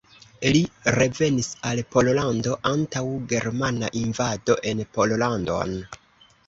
Li revenis al Pollando antaŭ germana invado en Pollandon.